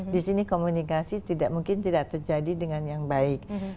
di sini komunikasi tidak mungkin tidak terjadi dengan yang baik